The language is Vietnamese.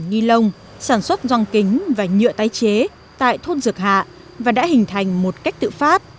ni lông sản xuất rong kính và nhựa tái chế tại thôn dược hạ và đã hình thành một cách tự phát